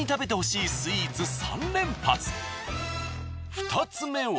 ２つ目は。